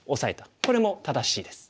これも正しいです。